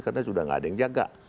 karena sudah gak ada yang jaga